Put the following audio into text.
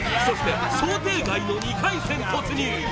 そして想定外の２回戦突入